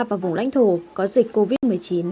và vùng lãnh thổ có dịch covid một mươi chín